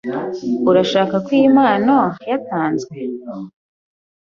Urashaka ko iyi mpano yatanzwe?